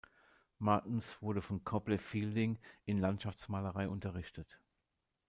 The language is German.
Martens wurde von Copley Fielding in Landschaftsmalerei unterrichtet.